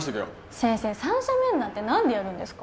先生三者面談ってなんでやるんですか？